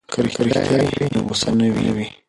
که رښتیا وي نو غصه نه وي.